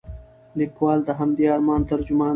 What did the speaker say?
لیکوال د همدې ارمان ترجمان دی.